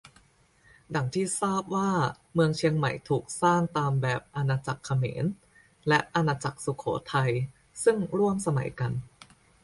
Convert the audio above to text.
ดั่งที่ทราบว่าเมืองเชียงใหม่ถูกสร้างตามแบบอาณาจักรเขมร และ อาณาจักรสุโขทัยซึ่งร่วมสมัยกัน